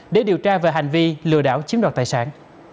để điều tra về hành vi lừa đảo chiếm đoạt tài sản